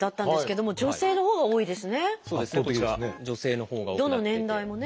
どの年代もね。